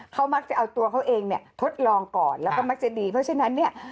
เขามักจะเอาตัวเขาเองเนี่ยทดลองก่อนแล้วก็มักจะดีเพราะฉะนั้นเนี่ย